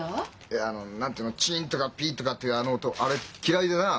いやあの何ていうの「チン」とか「ピッ」とかってあの音あれ嫌いでな。